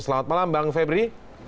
selamat malam bang febri